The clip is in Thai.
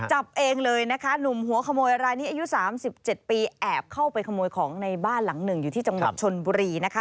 จับเองเลยนะคะหนุ่มหัวขโมยรายนี้อายุ๓๗ปีแอบเข้าไปขโมยของในบ้านหลังหนึ่งอยู่ที่จังหวัดชนบุรีนะคะ